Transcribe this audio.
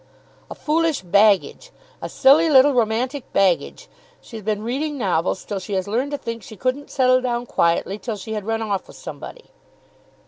"A foolish baggage! A silly little romantic baggage! She's been reading novels till she has learned to think she couldn't settle down quietly till she had run off with somebody."